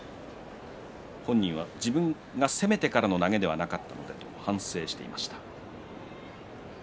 本人は自分が攻めてからの投げではなかったので反省していました。